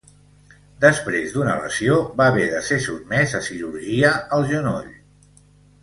Després d'una lesió, va haver de ser sotmès a cirurgia al genoll.